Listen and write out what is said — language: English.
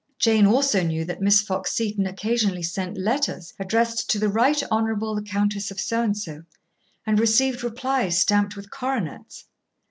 Jane also knew that Miss Fox Seton occasionally sent letters addressed "To the Right Honourable the Countess of So and so," and received replies stamped with coronets.